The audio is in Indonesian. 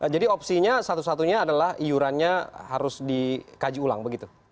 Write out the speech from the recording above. jadi opsinya satu satunya adalah iurannya harus dikaji ulang begitu